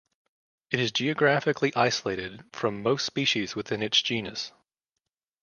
It is geographically isolated from most species within its genus.